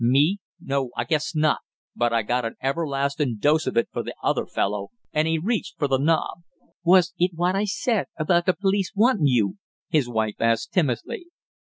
"Me? No, I guess not; but I got an everlastin' dose of it for the other fellow!" and he reached for the knob. "Was it what I said about the police wantin' you?" his wife asked timidly.